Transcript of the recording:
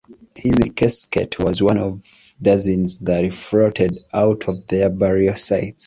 His casket was one of dozens that floated out of their burial sites.